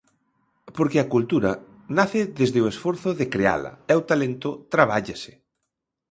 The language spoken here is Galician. Porque a cultura nace desde o esforzo de creala, e o talento trabállase.